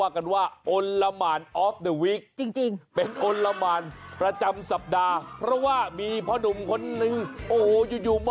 สวัสดีอาเฮีย